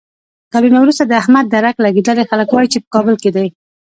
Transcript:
کلونه ورسته د احمد درک لګېدلی، خلک وایي چې په کابل کې دی.